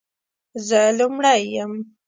زه لومړۍ یم،